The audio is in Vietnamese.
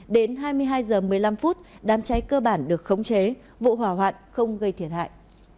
đến hai mươi hai h một mươi năm đám cháy cơ bản được khống chế vụ hỏa hoạn không gây thiệt hại